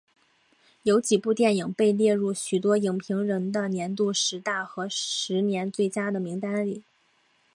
有几部电影被列入许多影评人的年度十大和十年最佳的名单里。